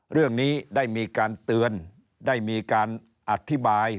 เรื่องนี้ได้มีการเตือนได้มีการอธิบาย